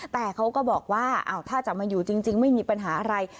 แต่เขาก็บอกว่าถ้าจะมาอยู่จริงไม่มีปัญหาอะไร